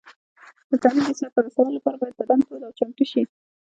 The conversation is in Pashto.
د تمرین د سر ته رسولو لپاره باید بدن تود او چمتو شي.